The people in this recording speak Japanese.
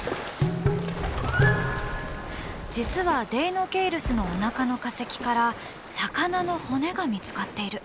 実はデイノケイルスのおなかの化石から魚の骨が見つかっている。